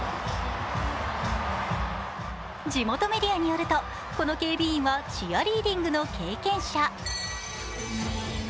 地元メディアによるとこの警備員はチアリーディングの経験者。